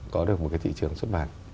có được một cái thị trường xuất bản